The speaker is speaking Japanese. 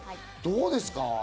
どうですか？